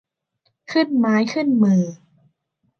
ขึ้นไม้ขึ้นมือ